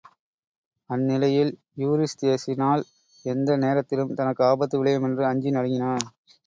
அந்நிலையில் யூரிஸ்தியஸினால் எந்த நேரத்திலும் தனக்கு ஆபத்து விளையுமென்று அஞ்சி நடுங்கினான்.